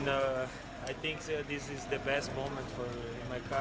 saya pikir ini adalah saat terbaik dalam karir saya